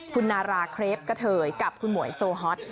คุณนาราเครปกะเทยกับคุณหมวยโซฮอต